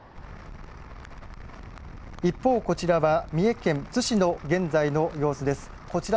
一方、こちらは三重県津市の現在の様子です。